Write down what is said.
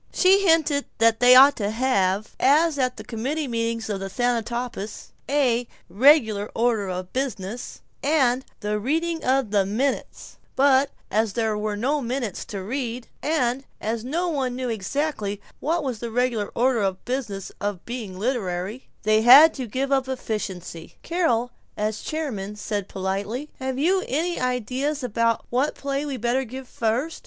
She hinted that they ought to have (as at the committee meetings of the Thanatopsis) a "regular order of business," and "the reading of the minutes," but as there were no minutes to read, and as no one knew exactly what was the regular order of the business of being literary, they had to give up efficiency. Carol, as chairman, said politely, "Have you any ideas about what play we'd better give first?"